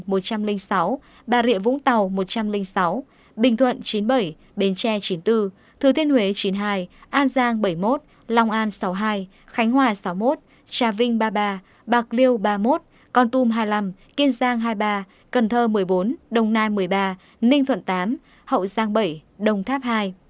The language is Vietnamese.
quảng nam hai trăm hai mươi sáu bà rịa vũng tàu một trăm linh sáu bình thuận chín mươi bảy bến tre chín mươi bốn thừa thiên huế chín mươi hai an giang bảy mươi một lòng an sáu mươi hai khánh hòa sáu mươi một trà vinh ba mươi ba bạc liêu ba mươi một con tum hai mươi năm kiên giang hai mươi ba cần thơ một mươi bốn đồng nai một mươi ba ninh thuận tám hậu giang bảy đồng tháp hai